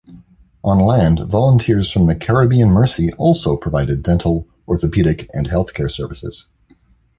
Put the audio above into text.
On land, volunteers from the "Caribbean Mercy" also provided dental, orthopedic and healthcare services.